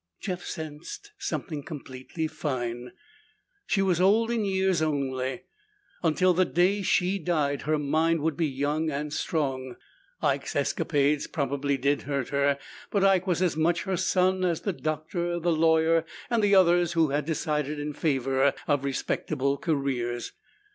Jeff sensed something completely fine. She was old in years only. Until the day she died her mind would be young and strong. Ike's escapades probably did hurt her, but Ike was as much her son as the doctor, the lawyer and the others who had decided in favor of respectable careers.